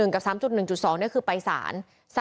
๓๑๑กับ๓๑๒เนี่ยคือไปสาร